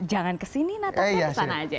jangan kesini natasnya kesana aja ya